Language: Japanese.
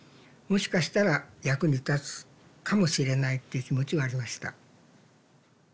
もしかしたら役に立つかもしれないっていう気持ちはありました。